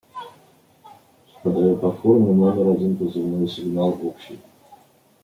– Подаю по форме номер один позывной сигнал общий.